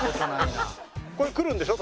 ここへ来るんでしょ？